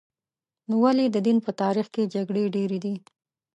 نو ولې د دین په تاریخ کې جګړې ډېرې دي؟